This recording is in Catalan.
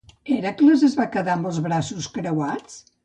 Hèracles es va quedar de braços creuats?